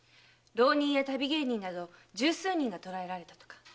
浪人や旅芸人など十数人が捕らえられたとか。